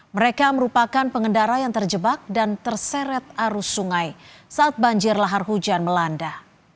mereka merupakan pengendara yang terjebak dan terseret arus sungai saat banjir lahar hujan melanda